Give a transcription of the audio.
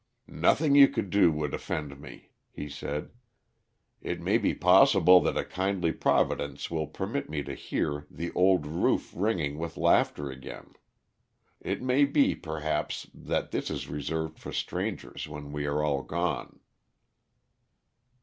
"Nothing you could do would offend me," he said. "It may be possible that a kindly Providence will permit me to hear the old roof ringing with laughter again. It may be, perhaps, that that is reserved for strangers when we are all gone."